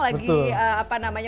lagi memasarkan karya karyanya